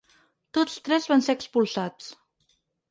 Tots tres van ser expulsats.